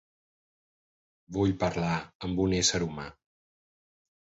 Vull parlar amb un ésser humà.